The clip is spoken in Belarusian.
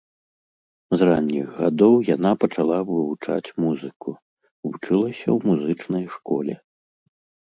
З ранніх гадоў яна пачала вывучаць музыку, вучылася ў музычнай школе.